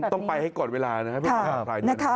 ต้องไปให้ก่อนเวลานะครับ